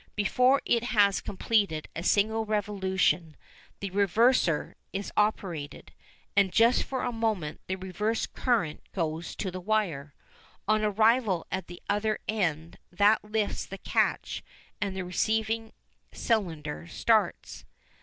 Before it has completed a single revolution the "reverser" is operated, and just for a moment the reverse current goes to the wire. On arrival at the other end that lifts the catch and the receiving cylinder starts.